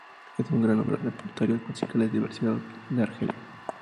Es un gran número de repertorios musicales diversificados de Argelia.